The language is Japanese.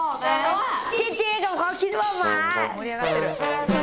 盛り上がってる。